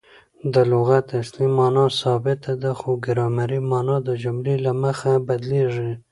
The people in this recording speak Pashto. د لغت اصلي مانا ثابته ده؛ خو ګرامري مانا د جملې له مخه بدلیږي.